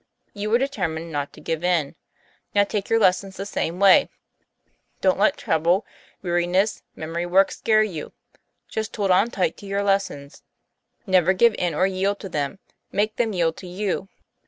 'You were determined not to give in. Now take your lessons the same way. Don't let trouble, weari ness, memory work scare you; just hold on tight to your lessons. Never give in or yield to them; make them yield to you.